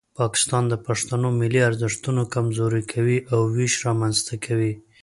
پاکستان د پښتنو ملي ارزښتونه کمزوري کوي او ویش رامنځته کوي.